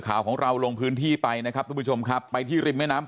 ข่าวของเราลงพื้นที่ไปนะครับทุกผู้ชมครับไปที่ริมแม่น้ำ